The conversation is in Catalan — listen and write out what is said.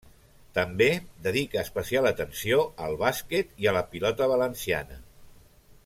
També dedica especial atenció al bàsquet i a la pilota valenciana.